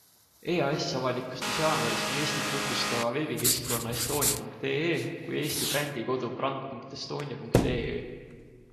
EAS avalikustas jaanuaris nii Eestit tutvustava veebikeskkonna estonia.ee kui Eesti brändi kodu brand.estonia.ee.